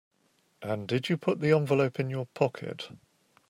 And did you put the envelope in your pocket?